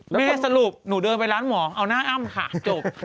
สรุปหนูเดินไปร้านหมอเอาหน้าอ้ำค่ะจบ